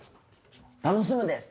楽しみです。